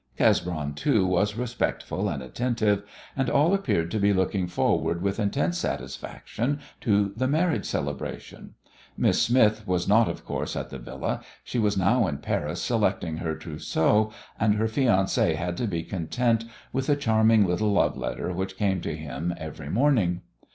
Cesbron, too, was respectful and attentive, and all appeared to be looking forward with intense satisfaction to the marriage celebration. Miss Smith was not, of course, at the Villa. She was now in Paris selecting her trousseau, and her fiancé had to be content with a charming little love letter which came to him every morning.